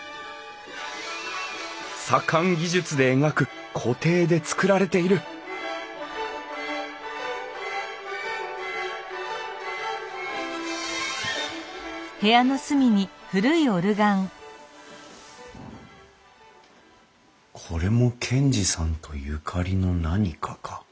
左官技術で描く鏝絵で作られているこれも賢治さんとゆかりの何かか？